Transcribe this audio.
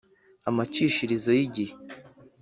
Amacishirizo y igihe